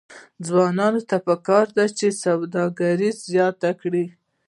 ځوانانو ته پکار ده چې، سوداګري زیاته کړي.